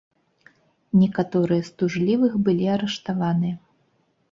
Некаторыя з тужлівых былі арыштаваныя.